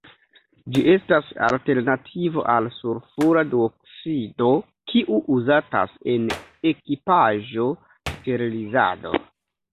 Ĝi estas alternativo al sulfura duoksido kiu uzatas en ekipaĵo-sterilizado.